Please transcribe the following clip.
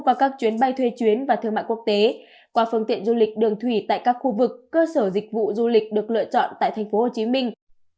qua các chuyến bay thuê chuyến và thương mại quốc tế qua phương tiện du lịch đường thủy tại các khu vực cơ sở dịch vụ du lịch được lựa chọn tại thành phố hồ chí minh